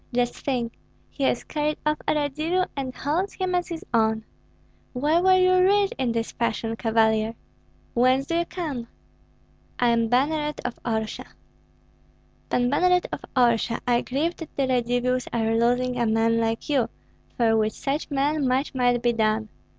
Just think! he has carried off a Radzivill and holds him as his own. Where were you reared in this fashion, Cavalier? Whence do you come?" "I am banneret of Orsha." "Pan Banneret of Orsha, I grieve that the Radzivills are losing a man like you, for with such men much might be done.